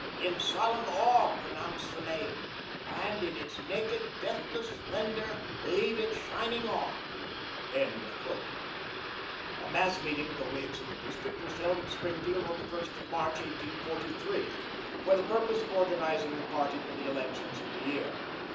In solemn awe pronounce the name, and in its naked, deathless splendor leave it shining on." A mass meeting of the Whigs of the district was held at Springfield on the 1st of March, 1843, for the purpose of organizing the party for the elections of the year.